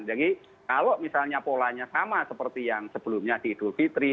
jadi kalau misalnya polanya sama seperti yang sebelumnya di idul fitri